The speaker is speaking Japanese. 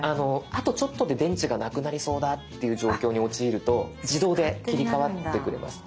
あとちょっとで電池がなくなりそうだっていう状況に陥ると自動で切り替わってくれます。